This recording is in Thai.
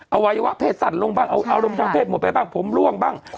เอาไว้ว่าเพศสัตว์ลงบ้างเอาลมชาวเพศหมดไปบ้างผมร่วงบ้าง